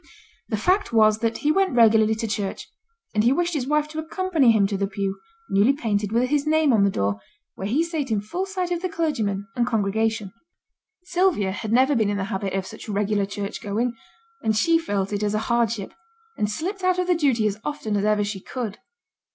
The fact was that he went regularly to church, and he wished his wife to accompany him to the pew, newly painted, with his name on the door, where he sate in full sight of the clergyman and congregation. Sylvia had never been in the habit of such regular church going, and she felt it as a hardship, and slipped out of the duty as often as ever she could.